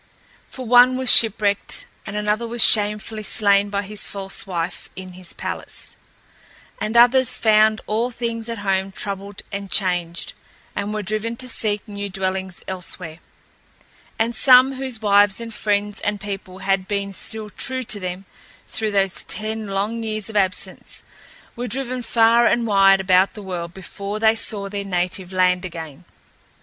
For one was shipwrecked and another was shamefully slain by his false wife in his palace, and others found all things at home troubled and changed and were driven to seek new dwellings elsewhere. And some, whose wives and friends and people had been still true to them through those ten long years of absence, were driven far and wide about the world before they saw their native land again.